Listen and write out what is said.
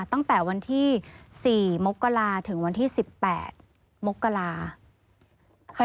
ตั้งแต่วันที่๔มกราถึงวันที่๑๘มกรา